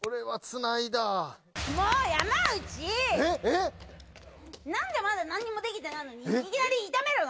なんでまだなんにもできてないのにいきなり炒めるの？